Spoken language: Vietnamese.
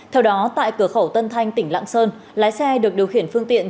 theo đó tại cửa khẩu tân thanh tỉnh lạng sơn lái xe được điều khiển phương tiện